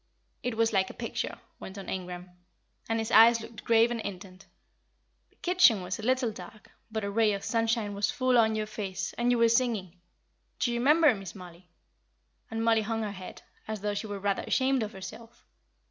"It was like a picture," went on Ingram, and his eyes looked grave and intent. "The kitchen was a little dark, but a ray of sunshine was full on your face, and you were singing. Do you remember, Miss Mollie?" And Mollie hung her head, as though she were rather ashamed of herself.